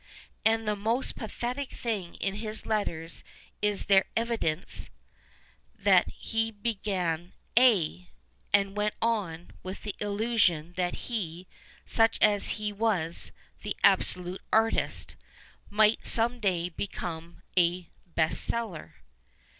And the most pathetic thing in his letters is their evidence that he began, aye ! and went on, with the illusion that he, such as he was, the absolute artist, might some day become a " best seller."